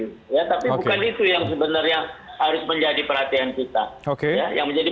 tapi bukan itu yang sebenarnya harus menjadi perhatian kita